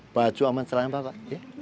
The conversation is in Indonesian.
baju aman selain bapak ya